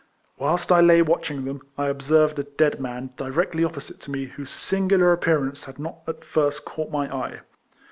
Whilst I lay watching them, I observed a dead mai? directly opposite to me whose singular ap pearance had not at first caught my eye.